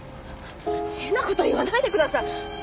変な事言わないでください。